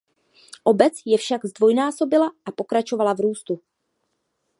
Obec se však zdvojnásobila a pokračovala v růstu.